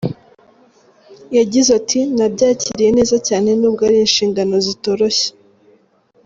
Yagize ati “Nabyakiriye neza cyane n’ubwo ari inshingano zitoroshye.